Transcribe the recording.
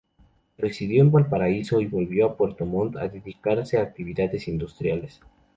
Residió en Valparaíso y volvió a Puerto Montt a dedicarse a actividades industriales.